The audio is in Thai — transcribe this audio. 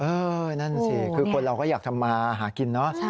นั่นสิคือคนเราก็อยากทำมาหากินเนอะ